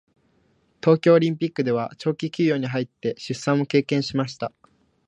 東京オリンピックでは長期休養に入って出産も経験しました。